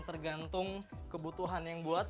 tergantung kebutuhan yang buat